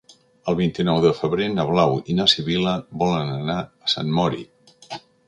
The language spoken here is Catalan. El vint-i-nou de febrer na Blau i na Sibil·la volen anar a Sant Mori.